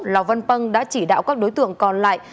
lò văn păng đã chỉ đạo các đối tượng còn lại